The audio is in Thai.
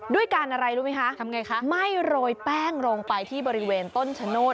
ด้วยการอะไรรู้ไหมคะทำไงคะไม่โรยแป้งลงไปที่บริเวณต้นชะโนธ